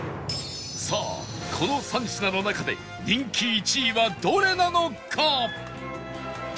さあこの３品の中で人気１位はどれなのか？